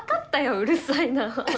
うるさいな。